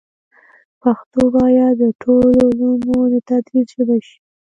پښتو باید د ټولو علومو د تدریس ژبه شي.